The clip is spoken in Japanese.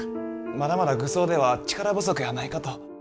まだまだ愚僧では力不足やないかと。